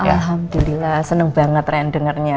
alhamdulillah seneng banget ren dengernya